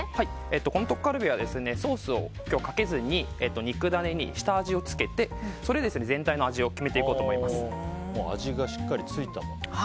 このトッカルビはソースを今日かけずに肉ダネに下味を付けてそれで全体の味をもう味がしっかりついたもので。